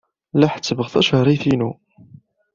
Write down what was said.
La ḥessbeɣ tacehṛit-inu.